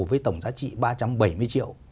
với tổng giá trị ba trăm bảy mươi triệu